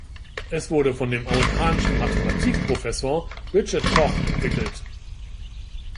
Es wurde von dem amerikanischen Mathematikprofessor Richard Koch entwickelt.